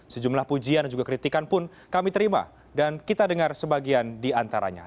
sejumlah pujian dan juga kritikan pun kami terima dan kita dengar sebagian di antaranya